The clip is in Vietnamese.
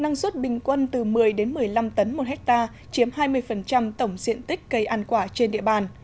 năng suất bình quân từ một mươi một mươi năm tấn một hectare chiếm hai mươi tổng diện tích cây ăn quả trên địa bàn